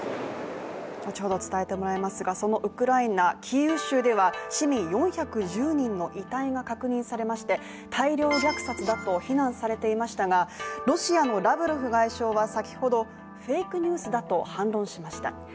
後ほど伝えてもらいますがそのウクライナ・キーウ州では市民４１０人の遺体が確認されまして、大量虐殺だと非難されていましたが、ロシアのラブロフ外相は先ほど、フェイクニュースだと反論しました。